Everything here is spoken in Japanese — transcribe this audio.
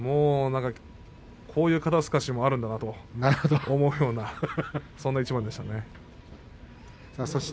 こういう肩すかしもあるんだなと思うような、そんな一番でした。